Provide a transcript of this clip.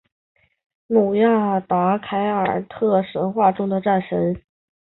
努亚达凯尔特神话中的战神。